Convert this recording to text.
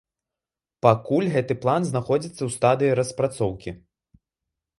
Пакуль гэты план знаходзіцца ў стадыі распрацоўкі.